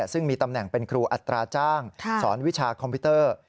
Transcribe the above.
ซึ่งมีตำแหน่งเป็นครูอัตราจ้างสอนวิชาคอมพิวเตอร์